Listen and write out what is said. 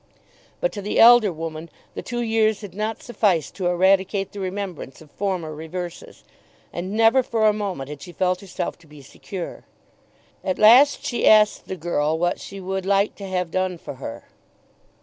But to the elder woman the two years had not sufficed to eradicate the remembrance of former reverses, and never for a moment had she felt herself to be secure. At last she asked the girl what she would like to have done for her.